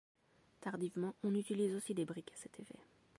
Tardivement on utilise aussi des briques à cet effet.